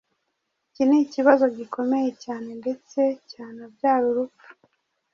Iki ni ikibazo gikomeye cyane ndetse cyanabyara urupfu.